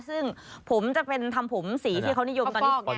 ซึ่งผมจะเป็นทำผมสีที่เขานิยมตอนนี้